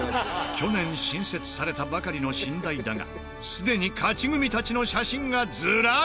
去年新設されたばかりの新台だがすでに勝ち組たちの写真がずらり！